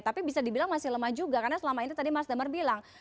tapi bisa dibilang masih lemah juga karena selama ini tadi mas damar bilang